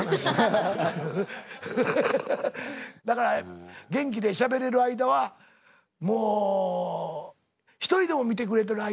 だから元気でしゃべれる間はもう一人でも見てくれてる間は頑張ってやる。